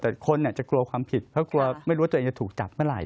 แต่คนจะกลัวความผิดเพราะกลัวไม่รู้ว่าตัวเองจะถูกจับเมื่อไห